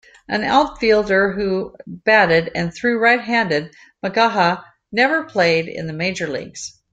An outfielder who batted and threw right-handed, McGaha never played in the Major Leagues.